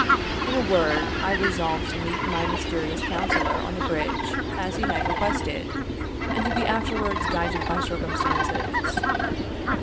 In a word, I resolved to meet my mysterious counsellor on the bridge, as he had requested, and to be afterwards guided by circumstances.